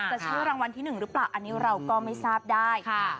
จะชื่อรางวัลที่๑หรือเปล่าอันนี้เราก็ไม่ทราบได้